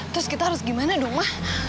terus kita harus gimana dong mah